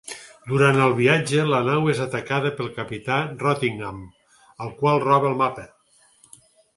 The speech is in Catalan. Durant el viatge, la nau és atacada pel capità Rottingham, el qual roba el mapa.